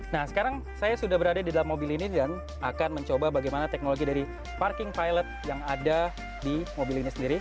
nah sekarang saya sudah berada di dalam mobil ini dan akan mencoba bagaimana teknologi dari parking pilot yang ada di mobil ini sendiri